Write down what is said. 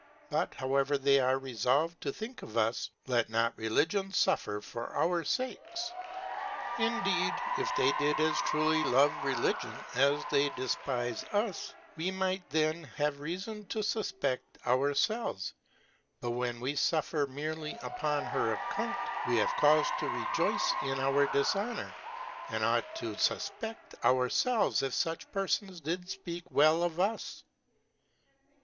But however ^hey ^re refol ved to think of Us, let not Religion fuffer for our fakes. Indeed if they did as truly love Re ligion as they defpife us, we might then have reafon to fufpe£b our felves^ but when we fuffer meerly upon her account, we hare caufe to rejoyce in our difhonour ; and ought to fufped: our ielves 4f fuch Perfons did ipeak well of Us.